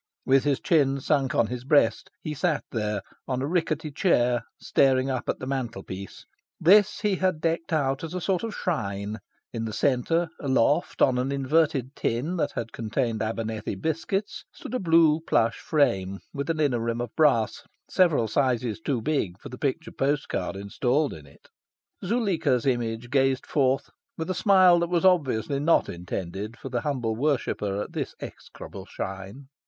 With his chin sunk on his breast, he sat there, on a rickety chair, staring up at the mantel piece. This he had decked out as a sort of shrine. In the centre, aloft on an inverted tin that had contained Abernethy biscuits, stood a blue plush frame, with an inner rim of brass, several sizes too big for the picture postcard installed in it. Zuleika's image gazed forth with a smile that was obviously not intended for the humble worshipper at this execrable shrine.